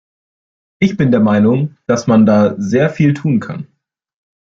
Ich bin der Meinung, dass man da sehr viel tun kann.